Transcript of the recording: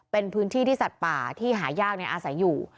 เป็นพื้นที่ที่สัตว์ป่าที่หายากอาศัยอยู่